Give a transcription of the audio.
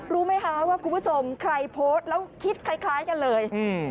รู้ไหมคะว่าคุณผู้ชมใครโพสต์แล้วคิดคล้ายกันเลย